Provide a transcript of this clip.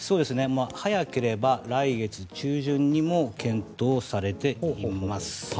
早ければ来月中旬にも検討されています。